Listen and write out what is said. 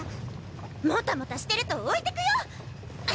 もたもたしてると置いてくよ！